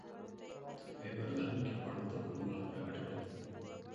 فایبر لرونکي خواړه د کولمو لپاره ګټور دي.